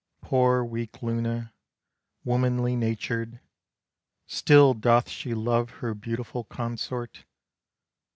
Poor weak Luna! Womanly natured, Still doth she love her beautiful consort.